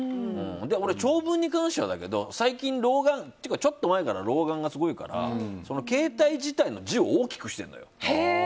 俺、長文に関してはだけどちょっと前から老眼がすごいから携帯自体の字を大きくしてるのよ。